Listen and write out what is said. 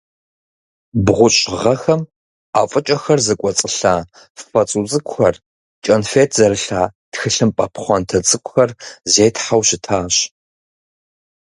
Бгъущӏ гъэхэм, ӏэфӏыкӏэхэр зыкӏуэцӏылъа фэ цӏу цӏыкӏухэр, кӏэнфет зэрылъа тхылъымпӏэ пхъуантэ цӏыкӏухэр зетхьэу щытащ.